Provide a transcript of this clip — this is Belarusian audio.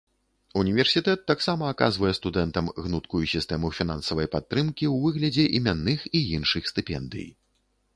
Універсітэт таксама аказвае студэнтам гнуткую сістэму фінансавай падтрымкі ў выглядзе імянных і іншых стыпендый.